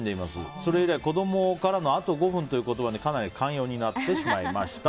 それ以来、子供からのあと５分という言葉にかなり寛容になってしまいました。